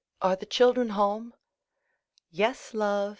are the children home?" "Yes, love!"